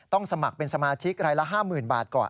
สมัครเป็นสมาชิกรายละ๕๐๐๐บาทก่อน